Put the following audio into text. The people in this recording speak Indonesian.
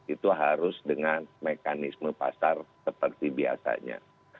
itu harus dengan mekanisme pasar seperti biasanya